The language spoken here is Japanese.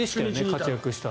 活躍した。